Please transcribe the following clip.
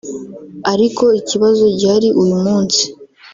ariko ikibazo gihari uyu munsi